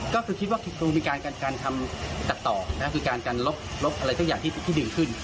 ก็คือคิดว่าคงมีการทำตัดต่อคือการกันลบอะไรสักอย่างที่ดีขึ้น